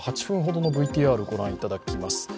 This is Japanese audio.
８分ほどのＶＴＲを御覧いただきます。